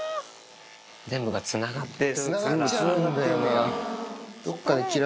全部がつながってるから。